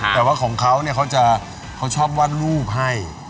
แต่ว่าของเขาเนี่ยเขาจะเขาชอบวาดรูปให้